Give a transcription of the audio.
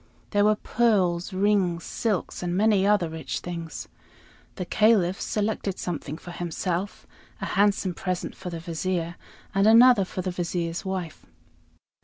There were pearls, rings, silks, and many other rich things. The Caliph selected something for himself, a handsome present for the Vizier, and another for the Vizier's wife.